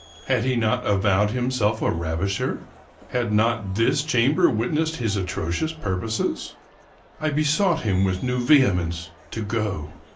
Had he not avowed himself a ravisher? Had not this chamber witnessed his atrocious purposes? I besought him with new vehemence to go.